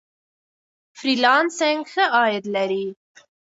فری لانسینګ ښه عاید لري.